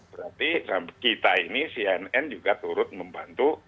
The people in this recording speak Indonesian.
berarti kita ini cnn juga turut membantu